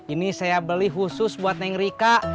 ini saya beli khusus buat neng rika